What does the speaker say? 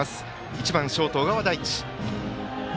１番ショート、小川大地。